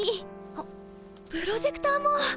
あっプロジェクターも！